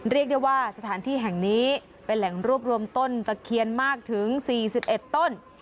เรียกได้ว่าสถานที่แห่งนี้เป็นแหล่งรวบรวมต้นตะเคียนมากถึง๔๑ต้น